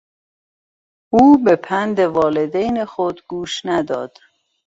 او به پند والدین خود گوش نداد.